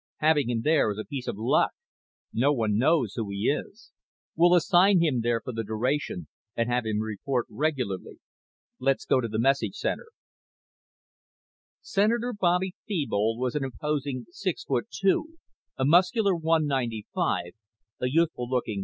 Having him there is a piece of luck. No one knows who he is. We'll assign him there for the duration and have him report regularly. Let's go to the message center." Senator Bobby Thebold was an imposing six feet two, a muscular 195, a youthful looking 43.